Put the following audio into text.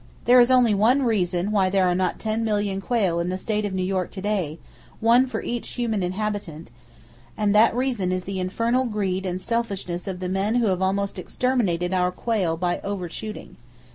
There is only one reason why there are not ten million quail in the state of New York to day,—one for each human inhabitant,—and that reason is the infernal greed and selfishness of the men who have almost exterminated our quail by over shooting.